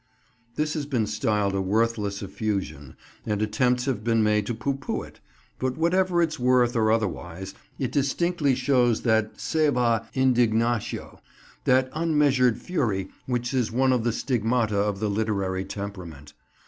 This has been styled a "worthless effusion," and attempts have been made to pooh pooh it; but whatever its worth or otherwise, it distinctly shows that sæva indignatio—that unmeasured fury which is one of the stigmata of the literary temperament.